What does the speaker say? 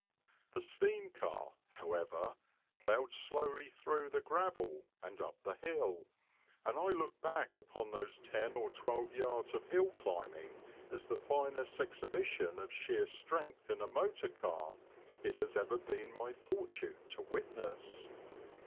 The steam car, however, ploughed slowly through the gravel and up the hill, and I look back upon those ten or twelve yards of hill climbing as the finest exhibition of sheer strength in a motor car it has ever been my fortune to witness.